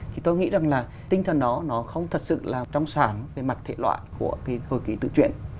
thì tôi nghĩ rằng là tinh thần đó nó không thật sự là trong sáng về mặt thể loại của cái hồi ký tự chuyển